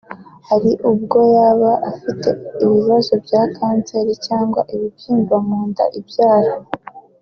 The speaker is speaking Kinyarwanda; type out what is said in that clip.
Hari ubwo aba afite ibibazo bya kanseri cyangwa ibibyimba mu nda ibyara